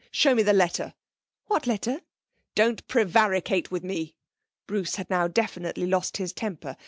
Show me that letter.' 'What letter?' 'Don't prevaricate with me.' Bruce had now definitely lost his temper.